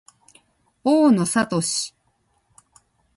大野智